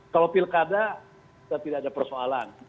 kalau pilkada kita tidak ada persoalan